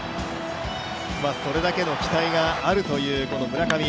これだけの期待があるという、この村上。